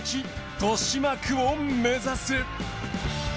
豊島区を目指す。